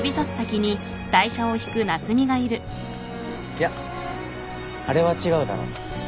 いやあれは違うだろ。